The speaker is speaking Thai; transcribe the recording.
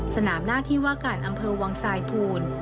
สนามหน้าที่ว่าการอำเภอวังสายภูล